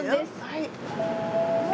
はい。